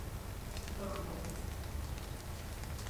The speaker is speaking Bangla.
স্পিকার অন করো।